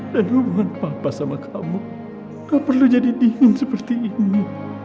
dan hubungan papa sama kamu gak perlu jadi dingin seperti ini